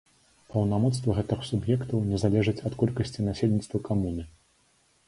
Паўнамоцтвы гэтых суб'ектаў не залежаць ад колькасці насельніцтва камуны.